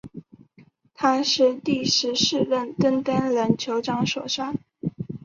他是第十四任登丹人酋长所杀。